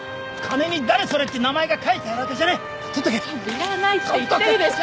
いらないって言ってるでしょ！